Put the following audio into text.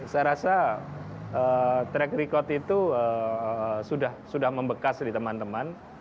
saya rasa track record itu sudah membekas di teman teman